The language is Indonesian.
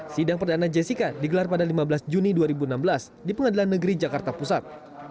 sidang perdana jessica digelar pada lima belas juni dua ribu enam belas di pengadilan negeri jakarta pusat